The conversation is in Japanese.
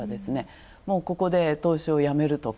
ここで投資をやめるとか。